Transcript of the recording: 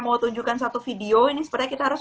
mau tunjukkan satu video ini sepertinya kita harus